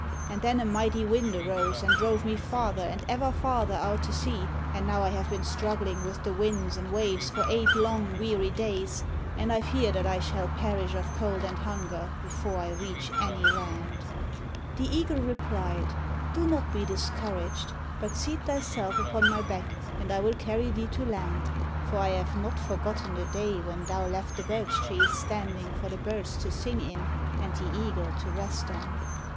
And then a mighty wind arose and drove me farther and ever farther out to sea, and now I have been struggling with the winds and waves for eight long weary days, and I fear that I shall perish of cold and hunger before I reach any land.' [Illustration: INTERIOR OF LAPP HUT.] The eagle replied: 'Do not be discouraged, but seat thyself upon my back and I will carry thee to land, for I have not forgotten the day when thou left the birch trees standing for the birds to sing in and the eagle to rest on.'